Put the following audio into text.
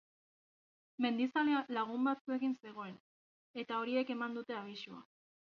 Mendizalea lagun batzuekin zegoen, eta horiek eman dute abisua.